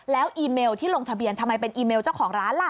แล้วอีเมลที่ลงทะเบียนทำไมเป็นอีเมลเจ้าของร้านล่ะ